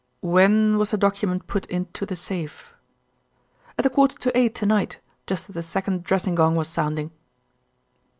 "When was the document put into the safe?" "At a quarter to eight to night, just as the second dressing gong was sounding."